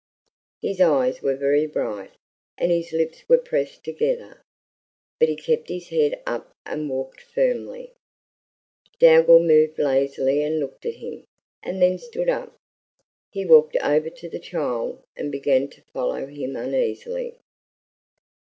His eyes were very bright, and his lips were pressed together, but he kept his head up and walked firmly. Dougal moved lazily and looked at him, and then stood up. He walked over to the child, and began to follow him uneasily.